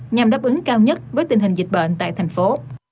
nhằm đáp ứng cao nhất với tình hình dịch bệnh tại thành phố